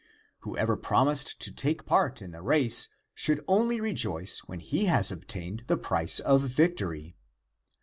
Whoever promised to take part in the race should only re joice when he has obtained the price of victory.